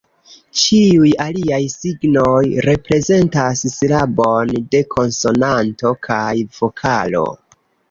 Ĉiuj aliaj signoj, reprezentas silabon de konsonanto kaj vokalo.